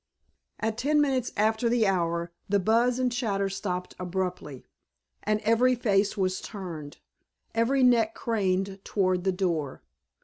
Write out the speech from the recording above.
At ten minutes after the hour the buzz and chatter stopped abruptly and every face was turned, every neck craned toward the door.